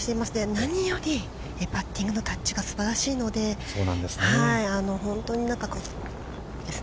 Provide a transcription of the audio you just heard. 何よりパッティングのタッチがすばらしいので、本当になんか。